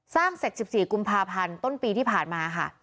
สร้างเสร็จ๑๔กุมภาพันธ์ต้นปีที่ผ่านมาค่ะ